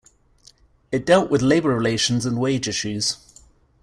It dealt with labour relations and wage issues.